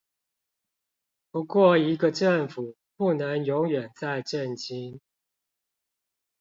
不過一個政府不能永遠在震驚